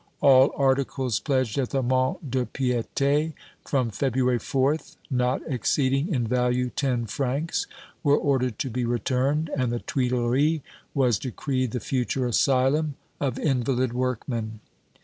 All articles pledged at the Mont de Piété, from February 4th, not exceeding in value ten francs, were ordered to be returned, and the Tuileries was decreed the future asylum of invalid workmen.